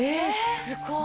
すごい。